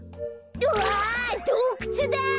わあどうくつだ！